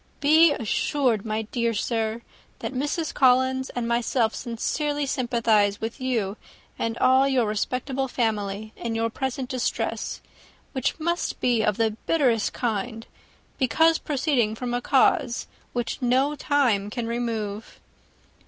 Be assured, my dear sir, that Mrs. Collins and myself sincerely sympathize with you, and all your respectable family, in your present distress, which must be of the bitterest kind, because proceeding from a cause which no time can remove.